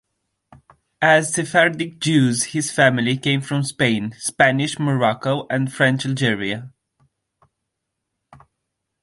As Sephardic Jews, his family came from Spain, Spanish Morocco and French Algeria.